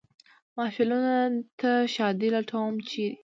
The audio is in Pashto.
محفلونو ته ښادي لټوم ، چېرې ؟